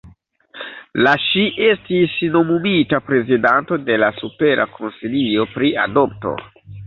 La ŝi estis nomumita prezidanto de la Supera Konsilio pri Adopto.